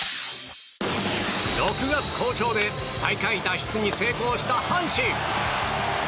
６月好調で最下位脱出に成功した阪神。